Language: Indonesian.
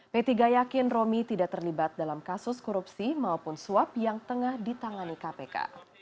p tiga yakin romi tidak terlibat dalam kasus korupsi maupun suap yang tengah ditangani kpk